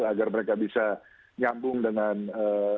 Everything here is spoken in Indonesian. agar mereka bisa nyambung dengan ee